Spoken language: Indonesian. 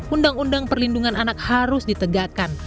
undang undang perlindungan anak harus ditegakkan